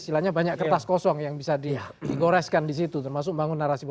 istilahnya banyak kertas kosong yang bisa digoreskan di situ termasuk bangun narasi besar